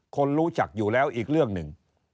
คนรู้จักอยู่แล้วอีกเรื่องหนึ่ง